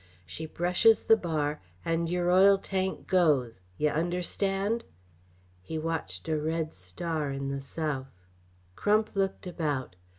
She brushes the bar, and yer oil tank goes yeh understand?" He watched a red star in the south. Crump looked about.